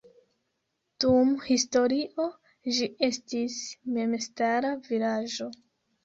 Dum historio ĝi estis memstara vilaĝo.